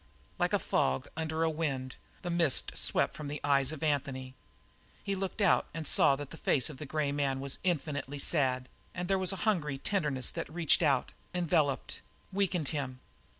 Like a fog under a wind, the mist swept from the eyes of Anthony; he looked out and saw that the face of the grey man was infinitely sad, and there was a hungry tenderness that reached out, enveloped, weakened him.